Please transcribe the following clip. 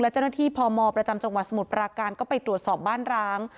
เจ้าหน้าที่พมประจำจังหวัดสมุทรปราการก็ไปตรวจสอบบ้านร้าง